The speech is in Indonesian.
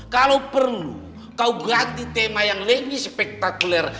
kalau perlu kau ganti tema yang lebih spektakuler